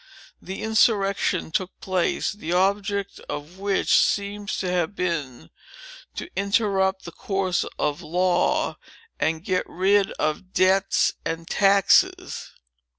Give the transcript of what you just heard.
An insurrection took place, the object of which seems to have been, to interrupt the course of law, and get rid of debts and taxes.